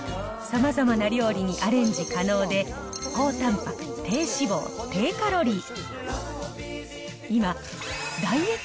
さまざまな料理にアレンジ可能で、高たんぱく、低脂肪、低カロリー。